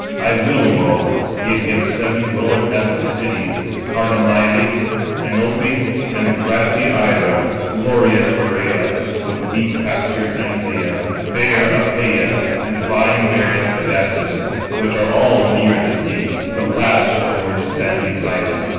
I will, moreover, give him seven well inhabited cities,—Cardamyle, Enope, and grassy Ira, glorious Pheræ, with deep pastured Anthea, fair Æpeia, and vine bearing Pedasus; which are all near the sea, the last towards sandy Pylus.